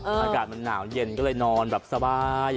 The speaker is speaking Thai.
ที่จะมาหนาวเย็นทำให้นอนแบบสบาย